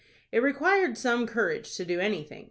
It required some courage to do anything.